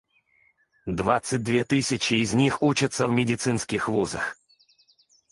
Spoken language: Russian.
Двадцать две тысячи из них учатся в медицинских вузах.